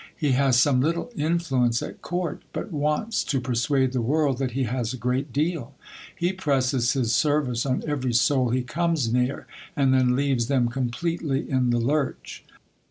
He has some little influence at court ; but wants to persuade the world that he has a great deal. He presses his service on every soul he comes near, and then leaves them completely in the lurch.